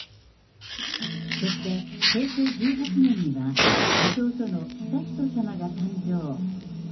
そして、平成１８年には、弟の悠仁さまが誕生。